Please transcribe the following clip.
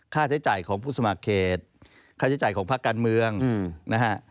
ค่าใช้จ่ายของผู้สมัครเขตค่าใช้จ่ายของภาคการเมืองนะฮะ